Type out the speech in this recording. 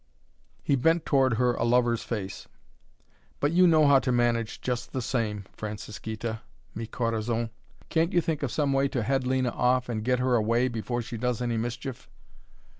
He bent toward her a lover's face. "But you know how to manage just the same, Francisquita, mi corazon. Can't you think of some way to head Lena off and get her away before she does any mischief?"